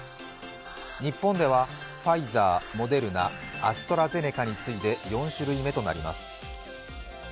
日本では、ファイザー、モデルナ、アストラゼネカに次いで４種類目となります。